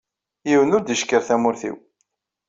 Yiwen ur d-yeckiṛ tamurt-iw.